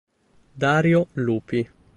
Dario Lupi.